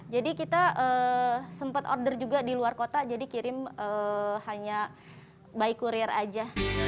jadi kita sempat order juga di luar kota jadi kirim hanya by courier aja